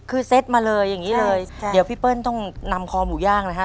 คือเซ็ตมาเลยอย่างนี้เลยเดี๋ยวพี่เปิ้ลต้องนำคอหมูย่างนะฮะ